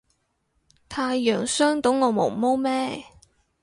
太陽傷到我毛毛咩